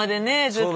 ずっと。